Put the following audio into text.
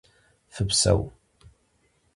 Fıpseu!